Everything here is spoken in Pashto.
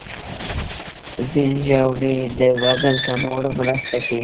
ځینې ژاولې د وزن کمولو کې مرسته کوي.